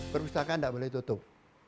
perpustakaan tidak boleh tutup